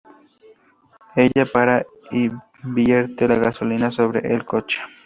Ella para y vierte la gasolina sobre el coche.